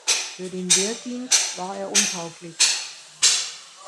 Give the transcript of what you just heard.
Für den Wehrdienst war er untauglich.